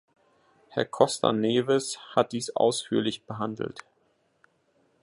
Herr Costa Neves hat dies ausführlich behandelt.